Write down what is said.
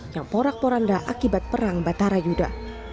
yang porak poranda akibat perang batara yuda